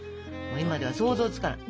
今では想像つかない。